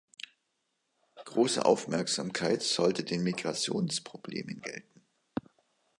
Große Aufmerksamkeit sollte den Migrationsproblemen gelten.